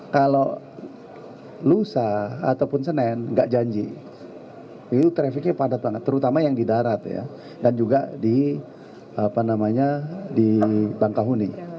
karena kalau lusa ataupun senin gak janji itu trafiknya padat banget terutama yang di darat dan juga di bangkahuni